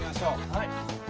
はい！